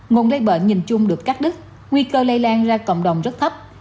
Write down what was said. nguồn lây bệnh nhìn chung được cắt đứt nguy cơ lây lan ra cộng đồng rất thấp